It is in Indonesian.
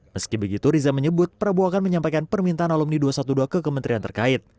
meski begitu riza menyebut prabowo akan menyampaikan permintaan alumni dua ratus dua belas ke kementerian terkait